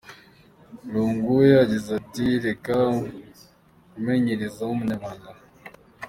Lungu we yagize ati: "Reka umumenyereza w'umunyamahanga.